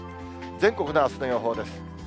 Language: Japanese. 全国のあすの予報です。